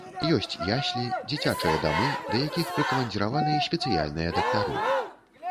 Ёсць яслі, дзіцячыя дамы, да якіх прыкамандзіраваны спецыяльныя дактары.